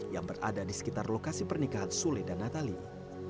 yang berada di sekitar lokasi pernikahan sule dan natali